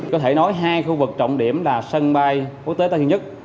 có thể nói hai khu vực trọng điểm là sân bay quốc tế tây thiên nhất